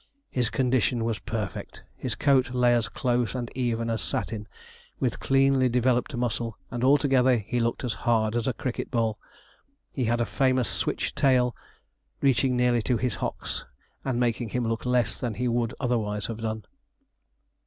His condition was perfect. His coat lay as close and even as satin, with cleanly developed muscle, and altogether he looked as hard as a cricket ball. He had a famous switch tail, reaching nearly to his hocks, and making him look less than he would otherwise have done.